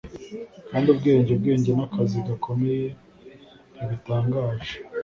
kandi ubwenge, ubwenge, nakazi gakomeye ntibitangaje